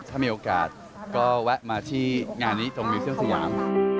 ถ้ามีโอกาสก็แวะมาที่งานนี้ตรงวิวเชียลสยาม